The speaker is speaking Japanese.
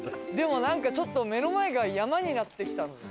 でもなんかちょっと目の前が山になってきた。